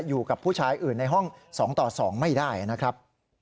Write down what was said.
อยู่กับผู้ชายอื่นในห้อง๒ต่อ๒ไม่ได้นะครับ